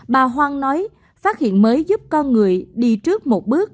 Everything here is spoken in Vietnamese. bà hoang nói phát hiện mới giúp con người đi trước một bước